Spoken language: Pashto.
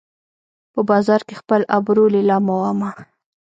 په بازار کې خپل ابرو لیلامومه